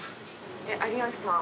有吉さん